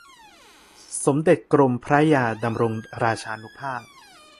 สมเด็จกรมพระยาดำรงราชานุภาพ